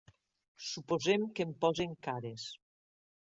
Suposem que em posen cares.